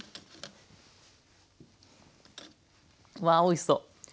わあおいしそう。